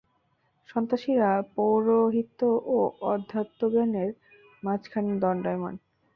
সন্ন্যাসীরা পৌরোহিত্য ও অধ্যাত্মজ্ঞানের মাঝখানে দণ্ডায়মান।